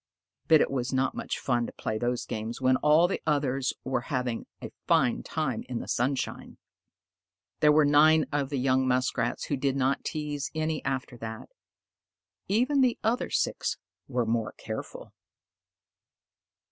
But it was not much fun to play those games when all the others were having a fine time in the sunshine. There were nine of the young Muskrats who did not tease any after that. Even the other six were more careful.